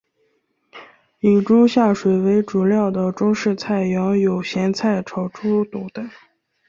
以猪下水为主料的中式菜肴有咸菜炒猪肚等。